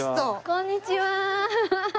こんにちは。